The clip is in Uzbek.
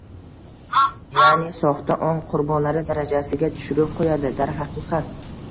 ya’ni “soxta ong” qurbonlari darajasiga tushirib qo‘yadi. Darhaqiqat